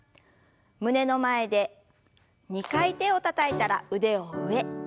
胸の前で２回手をたたいたら腕を上。